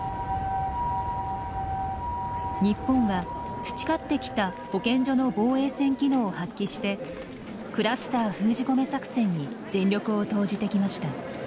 日本は培ってきた保健所の防衛線機能を発揮してクラスター封じ込め作戦に全力を投じてきました。